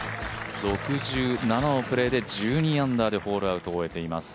６７のプレーで１２アンダーでホールアウトしています。